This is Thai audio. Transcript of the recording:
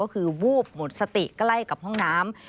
ก็คือวูบหมดสติใกล้กับห้องน้ำ